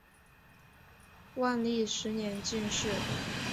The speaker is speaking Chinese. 万历十年进士。